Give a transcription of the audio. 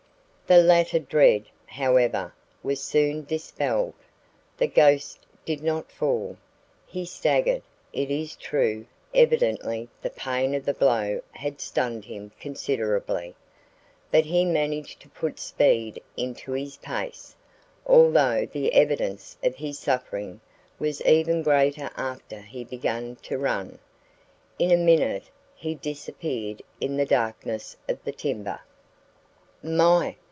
The latter dread, however, was soon dispelled. The "ghost" did not fall. He staggered, it is true evidently the pain of the blow had stunned him considerably; but he managed to put speed into his pace, although the evidence of his suffering was even greater after he began to run. In a minute he disappeared in the darkness of the timber. "My!